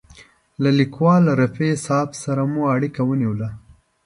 له لیکوال رفیع صاحب سره مو اړیکه ونیوله.